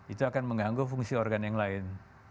itu akan mengganggu fungsi organ yang lain